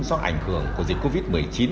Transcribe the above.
do ảnh hưởng của dịch covid một mươi chín